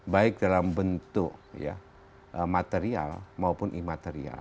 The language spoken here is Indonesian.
baik dalam bentuk material maupun imaterial